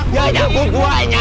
ya anak buah buahnya